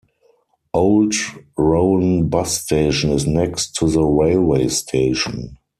Old Roan bus station is next to the railway-station.